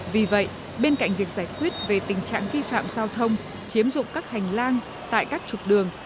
vì vậy bên cạnh việc giải quyết về tình trạng vi phạm giao thông chiếm dụng các hành lang tại các trục đường